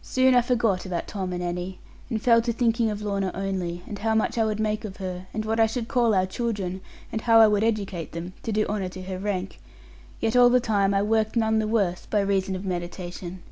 Soon I forgot about Tom and Annie; and fell to thinking of Lorna only; and how much I would make of her; and what I should call our children; and how I would educate them, to do honour to her rank; yet all the time I worked none the worse, by reason of meditation.